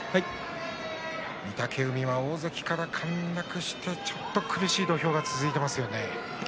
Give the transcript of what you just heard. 御嶽海は大関から陥落して苦しい土俵が続いていますね。